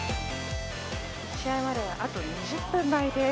試合まであと２０分前です。